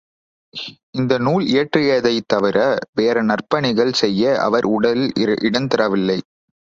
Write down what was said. இந்த நூல் இயற்றியதைத் தவிர, வேறு நற்பணிகளைச் செய்ய அவர் உடல் இடந்தரவில்லை.